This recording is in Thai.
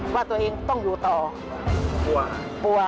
มีชีวิตที่สุดในประโยชน์